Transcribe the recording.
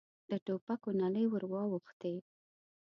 د ټوپکو نلۍ ور واوښتې.